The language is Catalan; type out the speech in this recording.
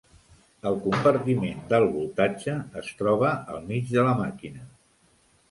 El compartiment d'alt voltatge es troba al mig de la màquina.